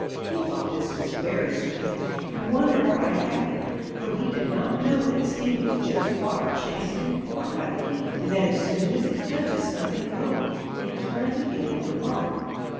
He thought this was very strange, and wondered why it happened, for he did not know that steam is just water changed in form by the heat, and that as soon as it touches something cold it turns again into water.